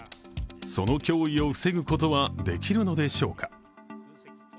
その脅威を防ぐことはできるのでしょうか。